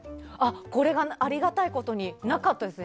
これがありがたいことになかったです